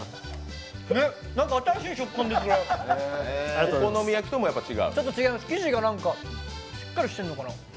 なんか新しい食感です、これお好み焼きともちょっと違います、生地がしっかりしてるのかな。